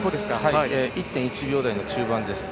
１．１秒台の中盤です。